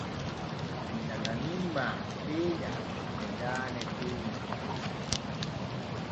Mi nananiima keenya e daane towne.